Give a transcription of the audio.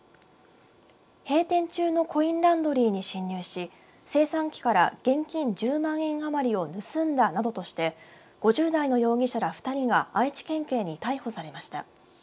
閉店中のコインランドリーに侵入し精算機から現金１０万円余りを盗んだなどとして５０代の容疑者ら２人が愛知県警に逮捕されました。